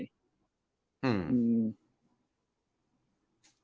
อืม